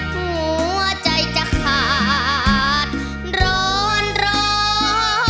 หัวใจจะขาดร้อนรอ